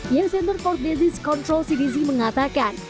yang senter for disease control cdc mengatakan